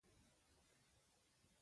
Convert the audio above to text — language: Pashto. نجلۍ د محبت نه ډکه ده.